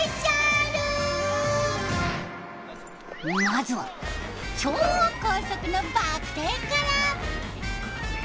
まずは超高速のバク転から。